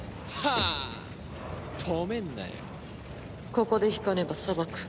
ここで引かねば裁く。